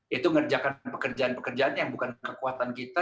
yaitu ngerjakan pekerjaan pekerjaan yang bukan kekuatan kita